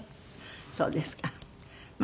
そうですか。